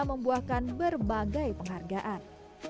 membuahkan berbagai penghargaan